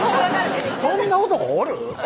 そんな男おる？